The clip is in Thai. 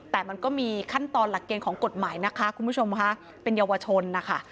แต่มันก็มีขั้นตอนหลักเกณฑ์ของกฎหมายนะคะคุณผู้ชมค่ะเป็นเยาวชนนะคะ